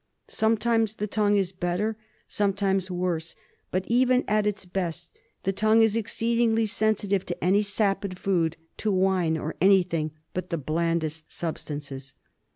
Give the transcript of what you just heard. Sometimes the tongue is better, sometimes worse, but even at its best the organ is exceedingly sensitive to any sapid food, to wine, or any thing but the blandest substances.